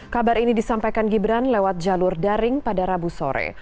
kabar ini disampaikan gibran lewat jalur daring pada rabu sore